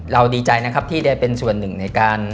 ดีใจนะครับที่ได้เป็นส่วนหนึ่งในการ